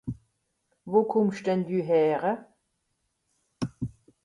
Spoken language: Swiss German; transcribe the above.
Wo kùmmsch denn dü häre?